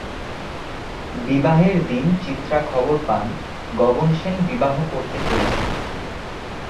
বিবাহের দিন চিত্রা খবর পান গগন সেন বিবাহ করতে চলেছেন।